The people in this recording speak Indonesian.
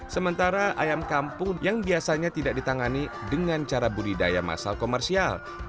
sementara ayam kampung yang biasanya tidak ditangani dengan cara budidaya masal komersial